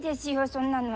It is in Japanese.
そんなの。